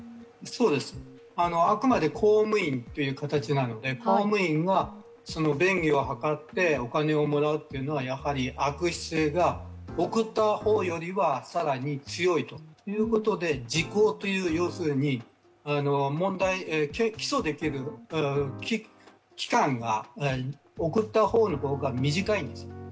そうです、あくまで公務員という形なので公務員が便宜を図ってお金をもらうというのはやはり悪質性が、贈った方よりは更に強いということで時効という、要するに起訴できる期間が、送った方が短いんです。